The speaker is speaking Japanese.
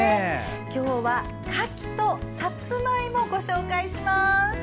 今日はカキとさつまいもをご紹介します。